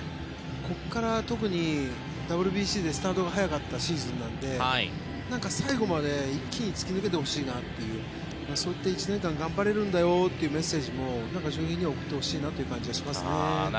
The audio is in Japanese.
ここから、特にＷＢＣでスタートが早かったシーズンなので最後まで一気に突き抜けてほしいなというそういった、１年間頑張れるんだよというメッセージを翔平には送ってほしいなと思いますね。